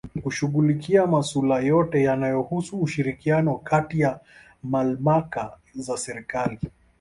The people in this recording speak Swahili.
Kushughulikia masula yote yanayohusu ushirikiano kati ya Malmaka za Serikali